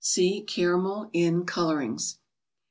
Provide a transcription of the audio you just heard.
(See Caramel in " Colorings